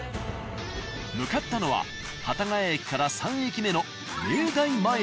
向かったのは幡ヶ谷駅から３駅目の。